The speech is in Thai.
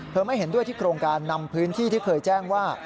ไม่เห็นด้วยที่โครงการนำพื้นที่ที่เคยแจ้งว่า